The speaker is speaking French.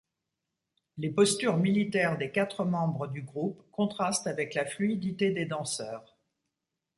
Les postures militaires des quatre membres du groupe contrastent avec la fluidité des danseurs.